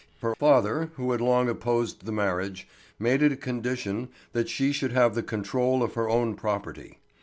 Her father, who had long opposed the marriage, made it a condition that she should have the control of her own property.